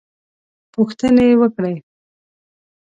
پوښتنې وکړې.